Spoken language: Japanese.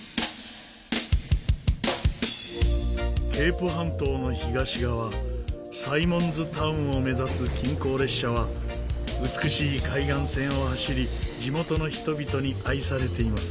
ケープ半島の東側サイモンズタウンを目指す近郊列車は美しい海岸線を走り地元の人々に愛されています。